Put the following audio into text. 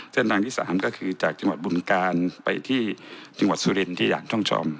เส้นทางที่สามก็คือจังหวัดบุญการไปที่จังหวัดสุเรนที่อยากช่องชอบ